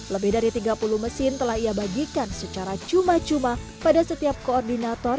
lebih dari tiga puluh mesin telah ia bagikan secara cuma cuma pada setiap koordinator